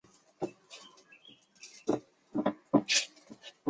贝卓罗瓦的传统代表色为红色。